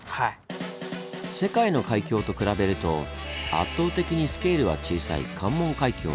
世界の海峡と比べると圧倒的にスケールは小さい関門海峡。